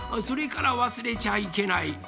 それからわすれちゃいけない